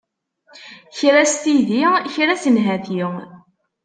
Kra s tidi, kra s nnhati.